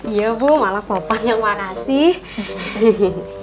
iya bu malah popon yang makasih